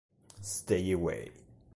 Stay Away!